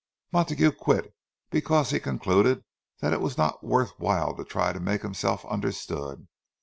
Montague quit, because he concluded that it was not worth while to try to make himself understood.